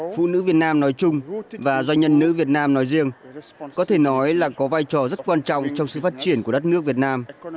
phụ nữ việt nam nói chung và doanh nhân nữ việt nam nói riêng có thể nói là có vai trò rất quan trọng trong sự phát triển của đất nước việt nam